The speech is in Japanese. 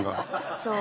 そう。